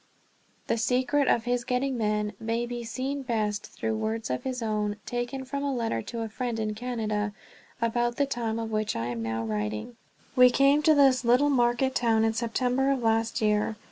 The secret of his getting men may be seen best through words of his own, taken from a letter to a friend in Canada about the time of which I am now writing: "We came to this little market town in September of last year.